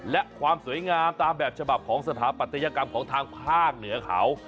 และความสวยงามตามแบบฉบับของสถาปัตยกรรมของทางภาคเหนือเขา